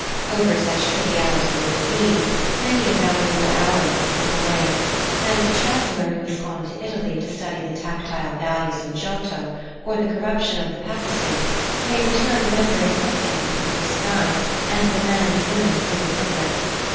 Over such trivialities as these many a valuable hour may slip away, and the traveller who has gone to Italy to study the tactile values of Giotto, or the corruption of the Papacy, may return remembering nothing but the blue sky and the men and women who live under it.